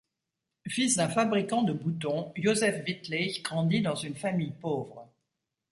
Fils d'un fabricant de boutons, Josef Wittlich grandit dans une famille pauvre.